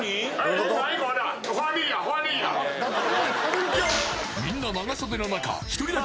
元気みんな長袖の中一人だけ